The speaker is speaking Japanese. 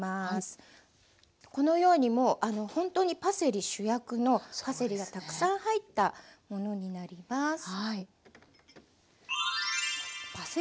このようにもう本当にパセリ主役のパセリがたくさん入ったものになります。